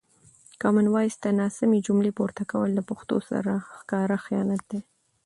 کامن وایس ته ناسمې جملې پورته کول له پښتو سره ښکاره خیانت دی.